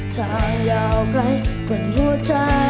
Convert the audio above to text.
จะยาวไกลกว่าหัวใจ